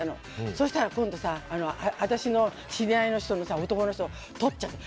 そうしたら今度は私の知り合いの男の人をとっちゃって。